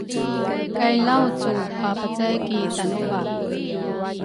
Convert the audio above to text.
kay Laucu papacay ki Tanebake.